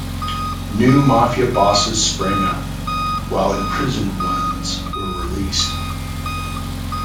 New Mafia bosses sprang up, while imprisoned ones were released.